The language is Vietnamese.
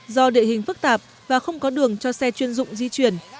do địa hình phức tạp và không có đường cho xe chuyên dụng di chuyển